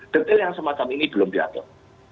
detail yang semacam ini belum diatur